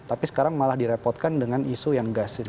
ini sekarang malah direpotkan dengan isu yang gas ini